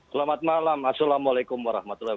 selamat malam assalamualaikum wr wb